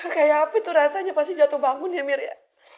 kayak apa tuh rasanya pasti jatuh bangun ya mir ya